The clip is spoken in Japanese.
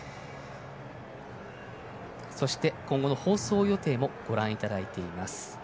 今後の放送予定もご覧いただいています。